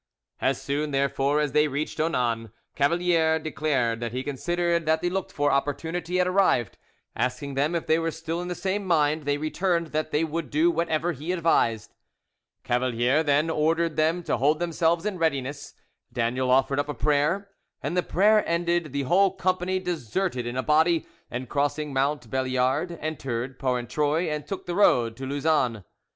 As soon, therefore, as they reached Onnan, Cavalier declared that he considered that the looked for opportunity had arrived, asking them if they were still in the same mind: they returned that they would do whatever he advised. Cavalier then ordered them to hold themselves in readiness, Daniel offered up a prayer, and the prayer ended, the whole company deserted in a body, and, crossing Mont Belliard, entered Porentruy, and took the road to Lausanne.